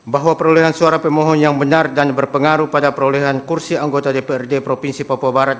bahwa perolehan suara pemohon yang benar dan berpengaruh pada perolehan kursi anggota dprd provinsi papua barat